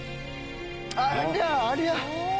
あっりゃありゃ！